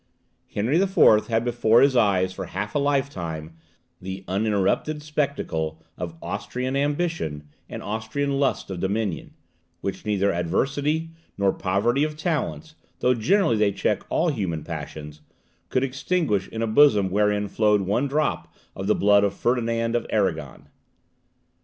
Henry the Fourth had before his eyes for half a lifetime, the uninterrupted spectacle of Austrian ambition and Austrian lust of dominion, which neither adversity nor poverty of talents, though generally they check all human passions, could extinguish in a bosom wherein flowed one drop of the blood of Ferdinand of Arragon.